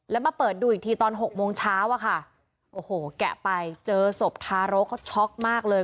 แล้วมาเปิดดูอีกทีตอนหกโมงเช้าอะค่ะโอ้โหแกะไปเจอศพทารกเขาช็อกมากเลย